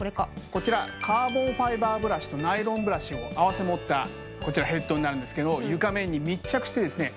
こちらカーボンファイバーブラシとナイロンブラシを合わせ持ったヘッドになるんですけど床面に密着してですね